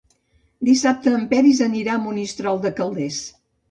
Dissabte en Peris anirà a Monistrol de Calders.